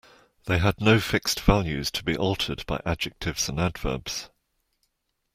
They had no fixed values, to be altered by adjectives and adverbs.